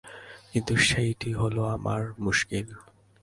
কিন্তু সেইটিই হল আমার মুশকিল।